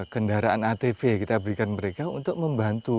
kendaraan atv kita berikan mereka untuk membantu